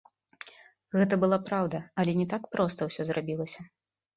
Гэта была праўда, але не так проста ўсё зрабілася.